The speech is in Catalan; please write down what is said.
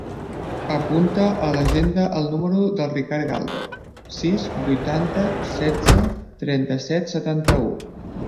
Apunta a l'agenda el número del Ricard Galdo: sis, vuitanta, setze, trenta-set, setanta-u.